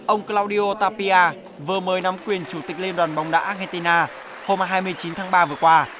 ông claudio tapia vừa mời nắm quyền chủ tịch liên đoàn bóng đá argentina hôm hai mươi chín tháng ba vừa qua